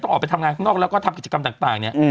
ออกไปทำงานข้างนอกแล้วก็ทำกิจกรรมต่างเนี่ย